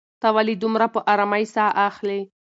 ته ولې دومره په ارامۍ ساه اخلې؟